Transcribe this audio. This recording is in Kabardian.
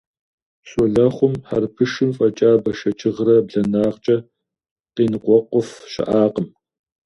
Щолэхъум хьэрыпышым фӀэкӀа бэшэчыгърэ, бланагъкӀэ къеныкъуэкъуф щыӀакъым.